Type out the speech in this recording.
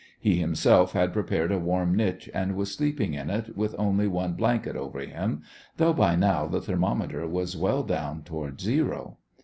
He himself had prepared a warm niche and was sleeping in it with only one blanket over him, though by now the thermometer was well down toward zero.